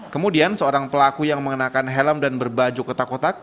kemudian seorang pelaku yang mengenakan helm dan berbaju kotak kotak